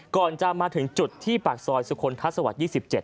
ก่อนจะมาถึงจุดที่ปากซอยสุคลทัศวรรค๒๗